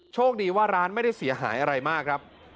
โชคดีว่าร้านไม่ได้เสียหายอะไรมากครับ